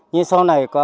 nhưng sau này có